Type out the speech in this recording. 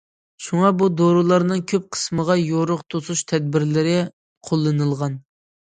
شۇڭا بۇ دورىلارنىڭ كۆپ قىسمىغا يورۇق توسۇش تەدبىرلىرى قوللىنىلغان.